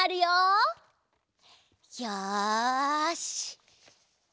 よし。